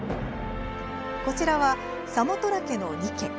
こちらは「サモトラケのニケ」。